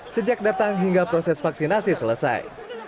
sejak datang hingga proses vaksinasi selesai